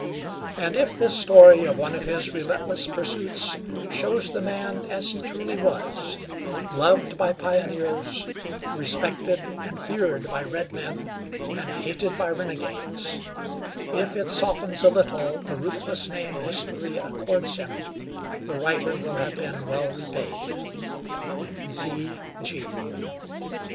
And if this story of one of his relentless pursuits shows the man as he truly was, loved by pioneers, respected and feared by redmen, and hated by renegades; if it softens a little the ruthless name history accords him, the writer will have been well repaid. Z. G.